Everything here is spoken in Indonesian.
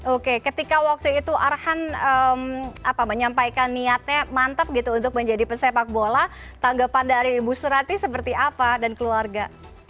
oke ketika waktu itu arhan menyampaikan niatnya mantap gitu untuk menjadi pesepak bola tanggapan dari ibu surati seperti apa dan keluarga